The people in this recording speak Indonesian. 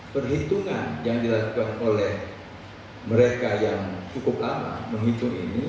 perhitungan yang dilakukan oleh mereka yang cukup lama menghitung ini